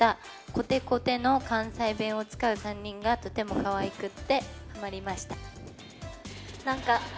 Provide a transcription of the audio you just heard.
こてこての関西弁を使う３人がとてもかわいくてハマりました。